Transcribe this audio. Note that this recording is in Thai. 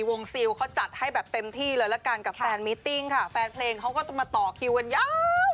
ซิลเขาจัดให้แบบเต็มที่เลยละกันกับแฟนมิตติ้งค่ะแฟนเพลงเขาก็จะมาต่อคิวกันยาว